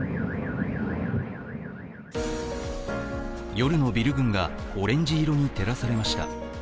夜のビル群がオレンジ色に照らされました。